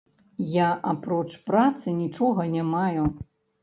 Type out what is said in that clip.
Я апроч працы нічога не маю.